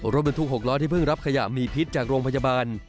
รถบรรทุก๖ล้อที่เพิ่งรับขยะมีพิษจากโรงพยาบาล